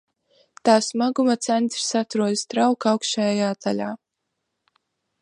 Tā smaguma centrs atrodas trauka augšējā daļā.